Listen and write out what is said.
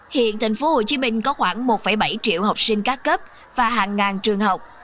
hiện tp hcm có khoảng một bảy triệu học sinh các cấp và hàng ngàn trường học